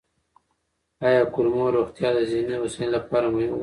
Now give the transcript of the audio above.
آیا کولمو روغتیا د ذهني هوساینې لپاره مهمه ده؟